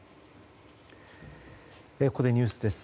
ここでニュースです。